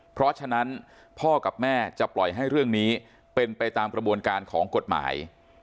เพราะฉะนั้นพ่อกับแม่จะปล่อยให้เรื่องนี้เป็นไปตามกระบวนการของกฎหมาย